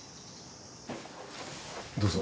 どうぞ。